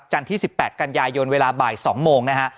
ที่๑๘กันยายนเวลาบ่าย๒โมงนะฮะ